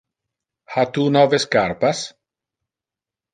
Ha tu nove scarpas?